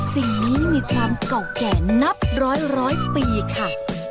สิ่งนี้มีความเก่าแก่นับร้อยปีค่ะ